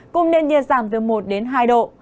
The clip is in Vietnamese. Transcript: cùng nền nhiệt giảm từ một đến hai độ